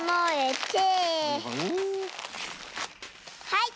はい！